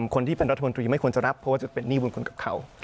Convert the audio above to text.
คนที่เป็นรัฐมนตรีไม่ควรจะรับเพราะว่าจะเป็นหนี้บุญคุณกับเขา